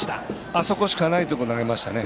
あそこしかないところ投げましたね。